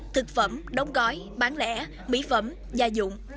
thực phẩm đóng gói bán lẻ mỹ phẩm gia dụng